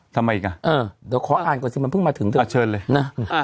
ทำไมอีกอ่ะเออเดี๋ยวขออ่านก่อนสิมันเพิ่งมาถึงเธอเชิญเลยนะ